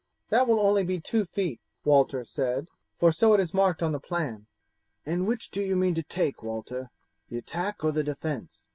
"That will only be two feet," Walter said, "for so it is marked on the plan." "And which do you mean to take, Walter, the attack or the defence?